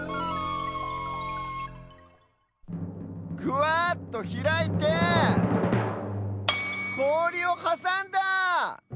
ぐわっとひらいてこおりをはさんだ！